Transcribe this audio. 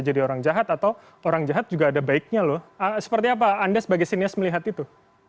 jadi orang jahat atau orang jahat juga ada baiknya loh seperti apa anda sebagai sinias melihat itu